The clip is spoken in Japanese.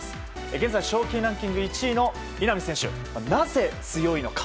現在、賞金ランキング１位の稲見選手、なぜ強いのか。